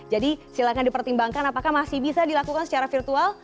jadi silakan dipertimbangkan apakah masih bisa dilakukan secara virtual